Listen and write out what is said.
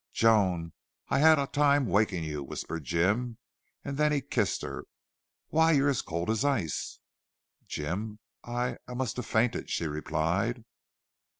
"Joan! I had a time waking you," whispered Jim, and then he kissed her. "Why, you're as cold as ice." "Jim I I must have fainted," she replied.